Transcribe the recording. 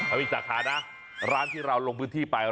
เอาอีกสาขานะร้านที่เราลงพื้นที่ไป